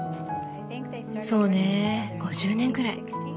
そうね５０年くらい。